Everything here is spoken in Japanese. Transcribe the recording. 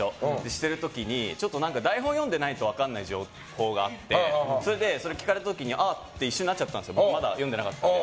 してる時にちょっと台本読んでないと分からない情報があってそれを聞かれたときにあって一瞬なっちゃってまだ読んでなかったので。